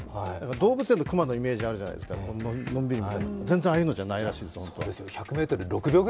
動物園の熊のイメージあるじゃないですか、のんびりな、全然ああいうのじゃないみたいで。